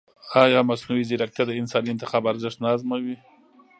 ایا مصنوعي ځیرکتیا د انساني انتخاب ارزښت نه ازموي؟